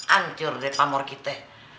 ancur deh pamor kita